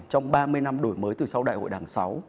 trong ba mươi năm đổi mới từ sau đại hội đảng sáu